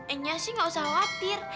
engnya sih gak usah khawatir